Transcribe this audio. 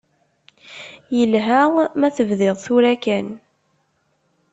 Yelha ma tebdiḍ tura kan.